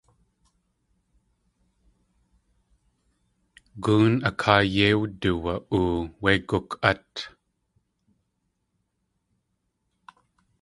Góon a káa yéi wduwa.oo wé guk.át.